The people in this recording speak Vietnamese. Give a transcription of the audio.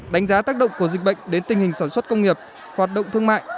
đánh giá tác động của dịch bệnh đến tình hình sản xuất công nghiệp hoạt động thương mại